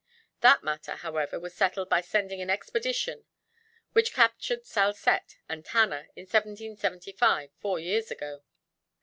That matter, however, was settled by sending an expedition, which captured Salsette and Tannah in 1775, four years ago.